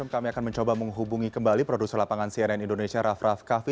kami akan mencoba menghubungi kembali produser lapangan cnn indonesia raff raff kaffi